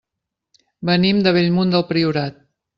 Venim de Bellmunt del Priorat.